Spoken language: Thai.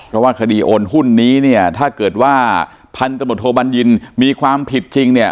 เพราะว่าคดีโอนหุ้นนี้เนี่ยถ้าเกิดว่าพันธบทโทบัญญินมีความผิดจริงเนี่ย